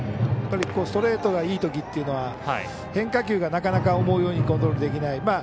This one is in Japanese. ストレートがいいときっていうのは変化球がなかなか思うように伸びていかない。